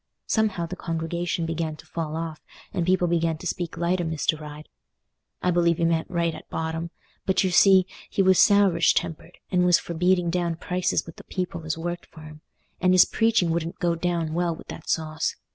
Somehow, the congregation began to fall off, and people began to speak light o' Mr. Ryde. I believe he meant right at bottom; but, you see, he was sourish tempered, and was for beating down prices with the people as worked for him; and his preaching wouldn't go down well with that sauce.